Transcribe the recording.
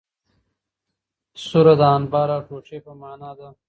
سره د انبار او ټوټي په مانا ده.